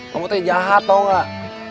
kamu tanya jahat tau gak